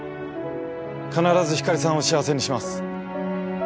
必ずひかりさんを幸せにします。